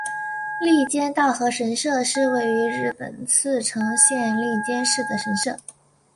笠间稻荷神社是位于日本茨城县笠间市的神社。